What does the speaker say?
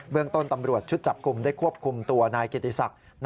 เรื่องต้นตำรวจชุดจับกลุ่มได้ควบคุมตัวนายเกียรติศักดิ์